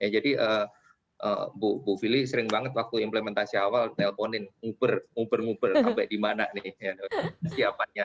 jadi bu fili sering banget waktu implementasi awal telponin nguber nguber sampe dimana siapannya